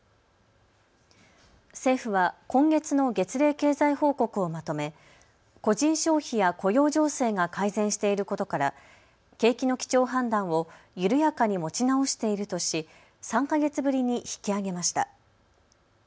政府は今月の月例経済報告をまとめ個人消費や雇用情勢が改善していることから景気の基調判断を緩やかに持ち直しているとし３か月ぶりに引き上げました。